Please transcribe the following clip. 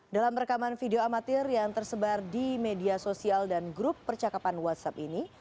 dalam rekaman video amatir yang tersebar di media sosial dan grup percakapan whatsapp ini